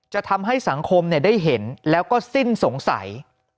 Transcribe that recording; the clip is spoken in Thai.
จะทำให้สังคมได้เห็นแล้วก็สิ้นสงสัย